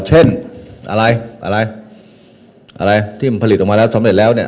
เช่นอะไรอะไรที่มันผลิตออกมาแล้วสำเร็จแล้วเนี่ย